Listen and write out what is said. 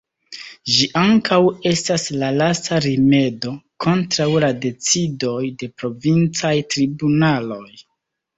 Ĝi ankaŭ estas la lasta rimedo kontraŭ la decidoj de provincaj tribunaloj.